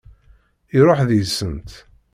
Iṛuḥ deg-sent.